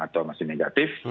atau masih negatif